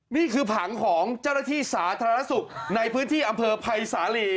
นี่คือผังของเจ้าหน้าที่สาธารณสุขในพื้นที่อำเภอภัยสาลี